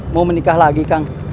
mau menikah lagi kang